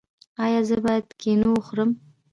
ایا زه باید کینو وخورم؟